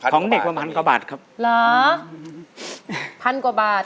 ของเด็กว่า๑๐๐๐กว่าบาทครับเอ้อแปลว่า๑๐๐๐กว่าบาท